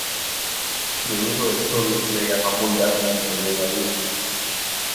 Al yoduro de sodio se le llama vulgarmente levadura.